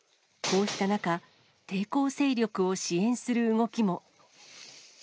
こうした中、抵抗勢力を支援する動きも。